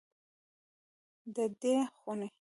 د دې خونې